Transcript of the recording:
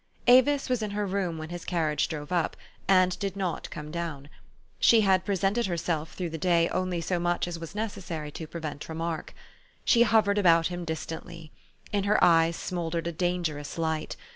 Avis was in her room when his carriage drove up, and did not come down. She had presented herself through the day only so much as was necessary to prevent remark. She hovered about him distantly. In her eyes smouldered a dangerous light.